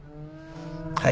はい。